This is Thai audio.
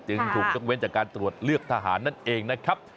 จึงถูกยกเว้นจากการตรวจเลือกทหารนั่นเองนะครับ